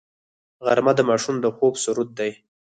غرمه د ماشوم د خوب سرود دی